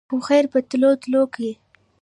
خو خېر په تلو تلو کښې